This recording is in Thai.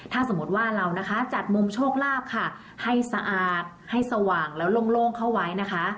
ถ้าสมมติว่าเรานะคะจัดมุมโชคลาภค่ะให้สะอาดให้สว่างแล้วโล่งเข้าไว้นะคะ